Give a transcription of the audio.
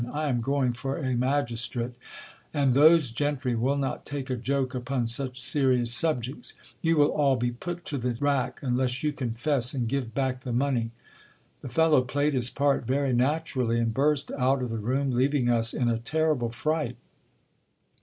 I am going for a magistrate ;— and those gentry will not take a joke upon such serious subjects. You will all be put to the rack, unless you confess, and give back the money. The fellow played his part very naturally, and burst out of the room, leaving us in a terrible fright.